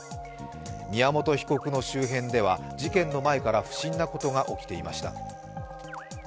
宮本被告の周辺では、事件の前から不審なことが起きていました。